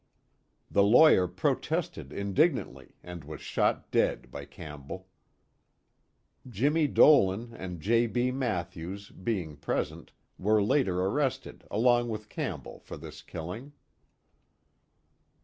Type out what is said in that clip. The lawyer protested indignantly and was shot dead by Campbell. Jimmie Dolan and J. B. Mathews, being present, were later arrested, along with Campbell, for this killing.